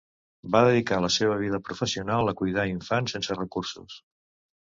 Va dedicar la seva vida professional a cuidar infants sense recursos.